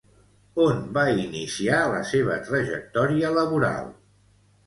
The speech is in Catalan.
On va iniciar la seva trajectòria laboral?